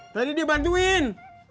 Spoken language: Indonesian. tadi dia bantuin